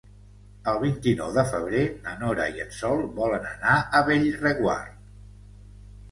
El vint-i-nou de febrer na Nora i en Sol volen anar a Bellreguard.